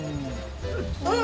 うん！